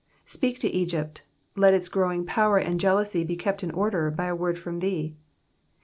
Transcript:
Speak to Egypt, let its growing power and jealousy be kept in order, by a word from thee.